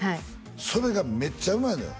それがめっちゃうまいのよ